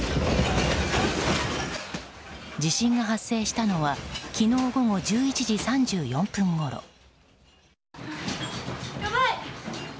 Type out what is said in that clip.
地震が発生したのは昨日午後１１時３４分ごろ。